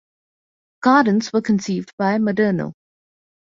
Gardens were conceived by Maderno.